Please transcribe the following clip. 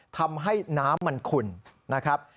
ทำให้น้ำมันขุ่นนะครับ